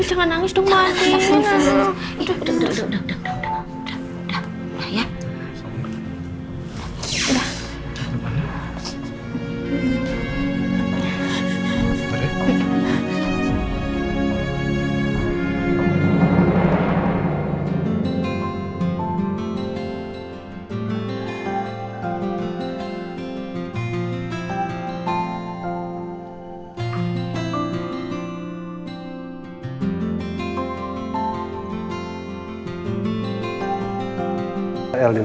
udah jangan nangis dong mbak andien